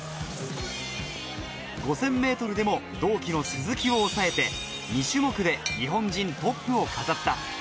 ５０００ｍでも同期の鈴木を抑えて２種目で日本人トップを飾った。